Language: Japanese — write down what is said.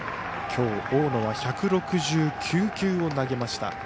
きょう、大野は１６９球を投げました。